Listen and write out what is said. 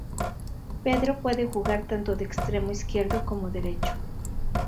Pedro puede jugar tanto de extremo izquierdo como derecho.